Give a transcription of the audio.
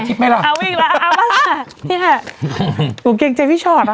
กิมคู่เอ้ย